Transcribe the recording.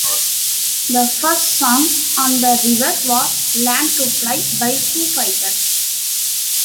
The first song on "The River" was "Learn to Fly" by Foo Fighters.